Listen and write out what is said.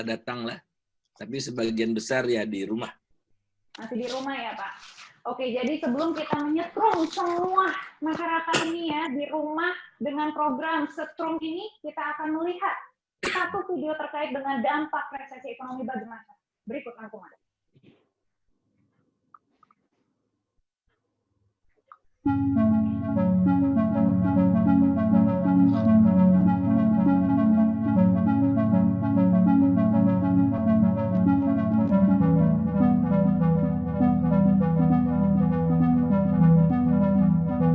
pada malam ini kita juga sudah mengundang bapak faisal basri peneliti senior index selamat malam